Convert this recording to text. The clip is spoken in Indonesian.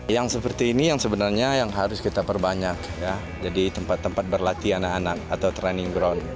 yang seperti ini yang sebenarnya yang harus kita perbanyak jadi tempat tempat berlatih anak anak atau training ground